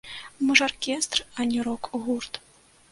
Мы ж аркестр, а не рок-гурт.